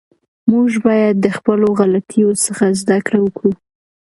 موږ باید د خپلو غلطیو څخه زده کړه وکړو.